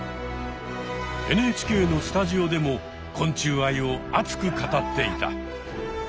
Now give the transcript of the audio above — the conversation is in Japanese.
ＮＨＫのスタジオでも昆虫愛を熱く語っていた。